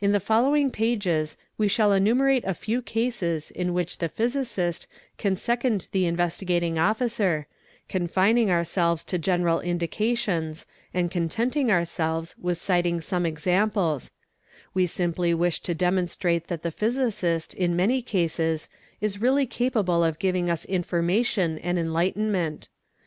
In the following pages we shall enumerate a few cases in which the physicist can second the Investigating Officer, confining ourselves to general indications and contenting ourselves with citing some exainples ; we simply wish to demonstrate that the physicist in many cases is really capable of giving us information and enlightenment.